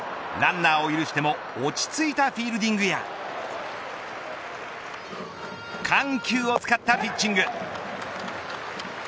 ランナーを許しても落ち着いたフィールディングや緩急を使ったピッチング。